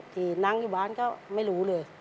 ที่นั่งอยู่บ้านก็ไม่รู้เลย